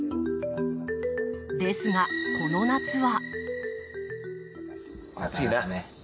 ですが、この夏は。